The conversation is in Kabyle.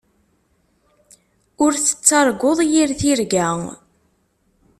Ur tettarguḍ yir tirga.